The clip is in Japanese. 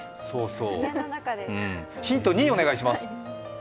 ヒント２、お願いします。